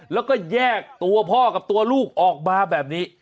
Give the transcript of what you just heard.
แล้วก็แยกตัวพ่อกับตัวลูกออกมาแบบนี้